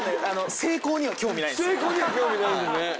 成功には興味ないねんね。